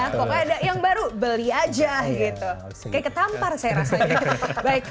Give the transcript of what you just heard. kalau ada yang baru beli aja gitu kayak ketampar saya rasanya